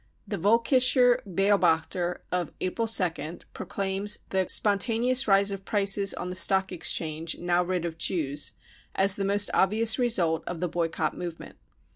The Volk ischer Beobachter of April 2nd, proclaims the " spontaneous rise of prices on the Stock Exchange, now rid of Jews," as the most obvious result of the boycott movement.